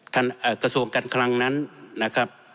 ท่านเอ่อกระทรวงการคลังนั้นนะครับ